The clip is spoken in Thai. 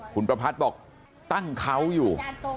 คุณประพัทธ์บอกตั้งเขาอยู่